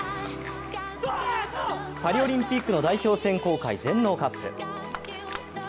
パリオリンピックの代表選考会、全農カップ。